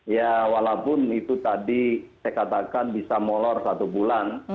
ya walaupun itu tadi saya katakan bisa molor satu bulan